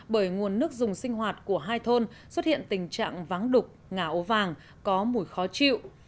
bởi nguồn nước dùng sinh hoạt của hai thôn xuất hiện tình trạng vắng đục ngả ố vàng có mùi khó chịu